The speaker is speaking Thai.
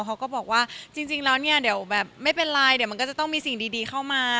เขาก็บอกว่าจริงแล้วเนี่ยเดี๋ยวแบบไม่เป็นไรเดี๋ยวมันก็จะต้องมีสิ่งดีเข้ามา